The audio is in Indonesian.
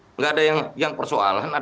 tidak ada yang persoalan